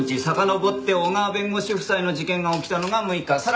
さかのぼって小川弁護士夫妻の事件が起きたのが６日。